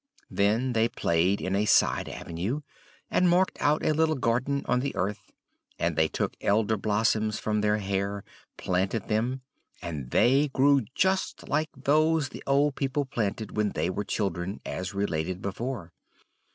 Then they played in a side avenue, and marked out a little garden on the earth; and they took Elder blossoms from their hair, planted them, and they grew just like those the old people planted when they were children, as related before.